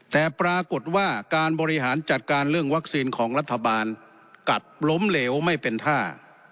แต่ปรากฏว่าการบริหารจัดการเรื่องวัคซีนของรัฐบาลกัดล้มเหลวไม่เป็นท่า